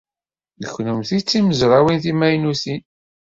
Kennemti d timezrawin timaynutin.